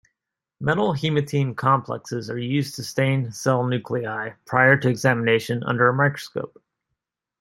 Metal-haematein complexes are used to stain cell nuclei prior to examination under a microscope.